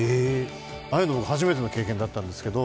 ああいうの僕、初めての経験だったんですけど。